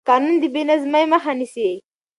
قانون د بې نظمۍ مخه نیسي